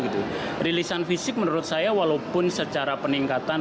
rilisan fisik menurut saya walaupun secara peningkatan